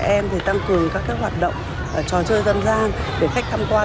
chúng tôi tăng cường các hoạt động trò chơi dân gian để khách tham quan